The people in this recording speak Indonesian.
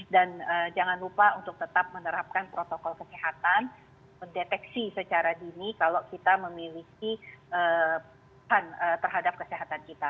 dan jangan lupa untuk tetap menerapkan protokol kesehatan mendeteksi secara dini kalau kita memiliki terhadap kesehatan kita